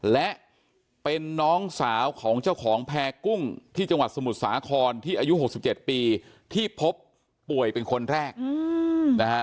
และเป็นน้องสาวของเจ้าของแพร่กุ้งที่จังหวัดสมุทรสาครที่อายุ๖๗ปีที่พบป่วยเป็นคนแรกนะฮะ